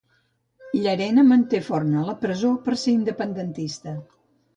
Llarena manté Forn a la presó per ser independentista